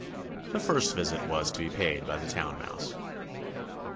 The first visit was to be paid by the Town Mouse.